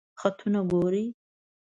خطونه ګوری؟